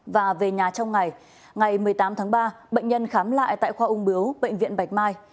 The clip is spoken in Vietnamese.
và về nhà trong ngày ngày một mươi tám tháng ba bệnh nhân khám lại tại khoa ung biếu bệnh viện bạch mai